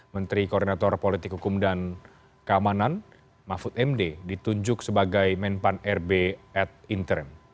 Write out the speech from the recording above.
menteri koordinator politik hukum dan keamanan mahfud md ditunjuk sebagai men pan r b at interim